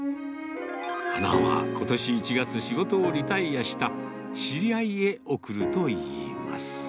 花はことし１月、仕事をリタイアした知り合いへ贈るといいます。